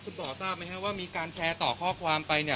คุณหมอรู้มั้ยว่ามีการแชร์ต่อข้อความไป